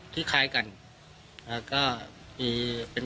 ที่คล้ายกัน